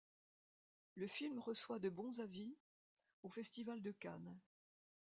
Le film reçoit de bons avis au Festival de Cannes.